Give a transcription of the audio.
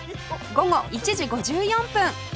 午後１時５４分